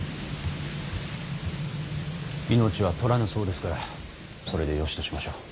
命は取らぬそうですからそれでよしとしましょう。